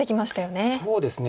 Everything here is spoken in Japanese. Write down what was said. そうですね。